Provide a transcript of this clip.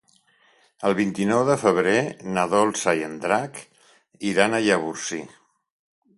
El vint-i-nou de febrer na Dolça i en Drac iran a Llavorsí.